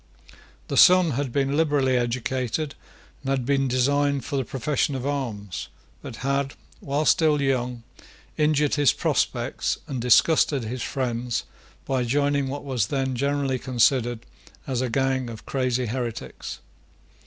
The son had been liberally educated, and had been designed for the profession of arms, but had, while still young, injured his prospects and disgusted his friends by joining what was then generally considered as a gang of crazy heretics.